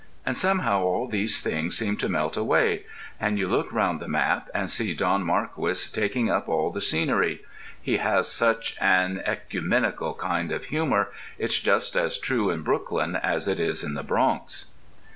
And somehow all these things seem to melt away, and you look round the map and see Don Marquis taking up all the scenery.... He has such an [oe]cumenical kind of humour. It's just as true in Brooklyn as it is in the Bronx.